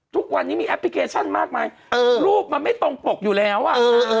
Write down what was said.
ทุกวันนี้มีแอปพลิเคชันมากมายเออรูปมันไม่ตรงปกอยู่แล้วอ่ะ